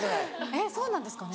えっそうなんですかね。